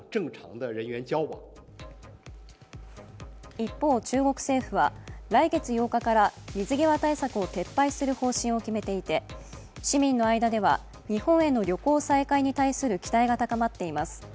一方、中国政府は来月８日から水際対策を撤廃する方針を決めていて市民の間では日本への旅行再開に対する期待が高まっています。